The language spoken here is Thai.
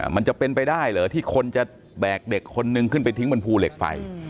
มันจะเป็นไปได้เหรอที่คนจะแบกเด็กคนนึงขึ้นไปทิ้งบนภูเหล็กไฟ